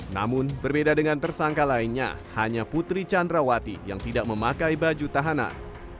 namun berbeda dengan tersangka lainnya hanya putri candrawati yang tidak memakai baju tahanan